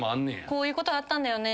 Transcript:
こういうことがあったんだよね。